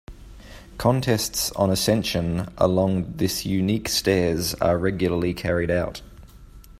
Contests on ascension along this unique stairs are regularly carried out.